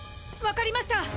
わかりました！